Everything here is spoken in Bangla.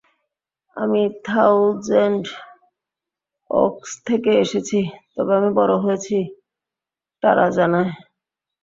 আমি থাউজেন্ড ওকস থেকে এসেছি, তবে আমি বড় হয়েছি টারাজানায়।